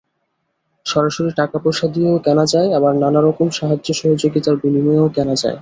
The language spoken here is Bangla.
সরাসরি টাকাপয়সা দিয়েও কেনা যায়, আবার নানা রকম সাহায্য-সহযোগিতার বিনিময়েও কেনা যায়।